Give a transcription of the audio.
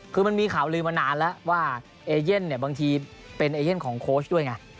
คือมันมีข่าวลืมมานานแล้วว่าเอเย่นเนี่ยบางทีเป็นเอเย่นของโค้ชด้วยไง